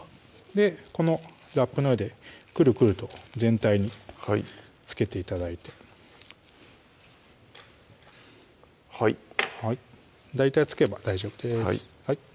このラップの上でくるくると全体に付けて頂いてはいはい大体付けば大丈夫です